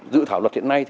dự thảo luật hiện nay